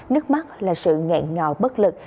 nước mắt là sự ngẹn ngào bất lực